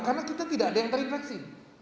karena kita tidak ada yang terinfeksi